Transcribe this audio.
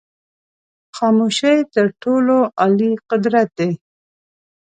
خاموشی تر ټولو عالي قدرت دی.